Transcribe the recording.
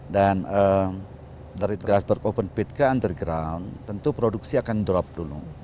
dan dari grasberg open pit ke underground tentu produksi akan drop dulu